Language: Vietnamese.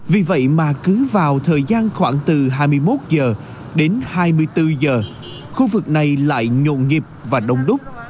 vì vậy mà cứ vào thời gian khoảng từ hai mươi một h đến hai mươi bốn giờ khu vực này lại nhộn nhịp và đông đúc